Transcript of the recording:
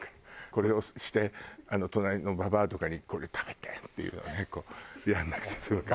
これをして隣のババアとかにこれ食べてっていうのをねやらなくて済むから。